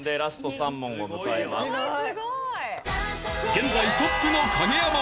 現在トップの影山。